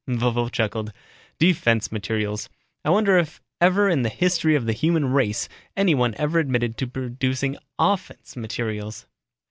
Vovo chuckled, "Defense materials. I wonder if ever in the history of the human race anyone ever admitted to producing offense materials."